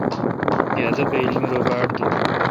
پادہ بایل می رو باڑ دور۔